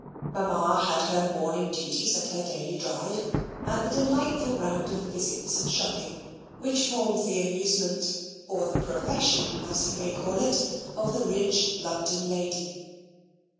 Mamma had her morning duties, and her daily drive, and the delightful round of visits and shopping which forms the amusement, or the profession as you may call it, of the rich London lady.